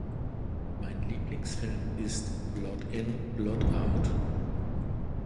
Mein Lieblingsfilm ist blood in blood out.